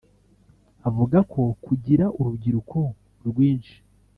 Avuga ko kugira urubyiruko rwinshi